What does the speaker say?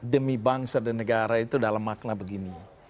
demi bangsa dan negara itu dalam makna begini